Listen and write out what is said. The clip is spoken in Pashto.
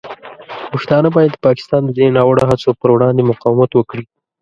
پښتانه باید د پاکستان د دې ناوړه هڅو پر وړاندې مقاومت وکړي.